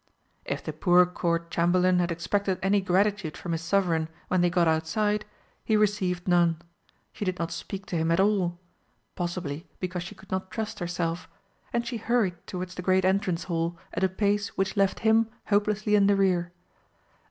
If the poor Court Chamberlain had expected any gratitude from his Sovereign when they got outside, he received none. She did not speak to him at all possibly because she could not trust herself, and she hurried towards the great Entrance Hall at a pace which left him hopelessly in the rear.